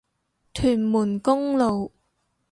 屯門公路